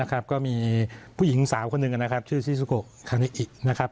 นะครับก็มีผู้หญิงสาวคนหนึ่งอ่ะนะครับชื่อที่สุโกคันนี้อีกนะครับ